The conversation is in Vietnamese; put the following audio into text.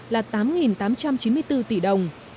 là tám tám trăm chín mươi bốn tỷ đồng